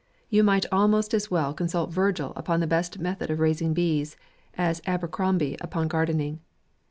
You might almost as well consult Virgil upon the best method of raising bees, as Abercrombie upon garden ing.